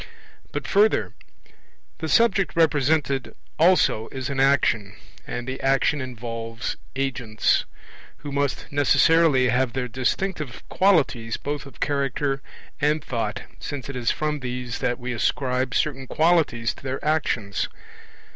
But further: the subject represented also is an action; and the action involves agents, who must necessarily have their distinctive qualities both of character and thought, since it is from these that we ascribe certain qualities to their actions.